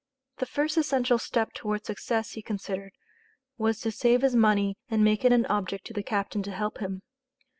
The first essential step towards success, he considered, was to save his money and make it an object to the captain to help him.